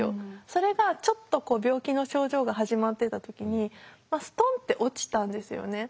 それがちょっと病気の症状が始まってた時にストンって落ちたんですよね。